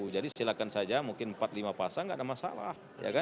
silakan saja mungkin empat lima pasang nggak ada masalah